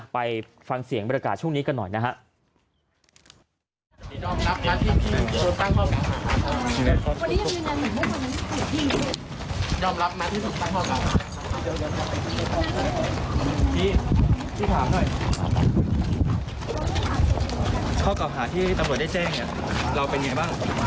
ไปฟังเสียงบริการช่วงนี้กันหน่อยนะครับ